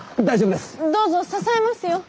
どうぞ支えますよ。